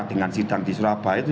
dengan sidang di surabaya itu